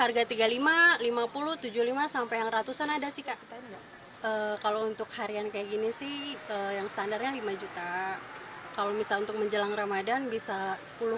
berkira kira macam macam dari harga tiga puluh lima lima puluh tujuh puluh lima sampai yang ratusan ada sih kak kalau untuk harian kayak gini sih yang standarnya lima juta kalau misal untuk menjelang ramahnya bisa mencapai ratusan juta rupiah